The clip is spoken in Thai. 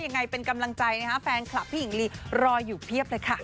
ยังไงเป็นกำลังใจนะคะแฟนคลับพี่หญิงลีรออยู่เพียบเลยค่ะ